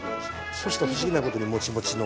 そしたら不思議なことにモチモチの。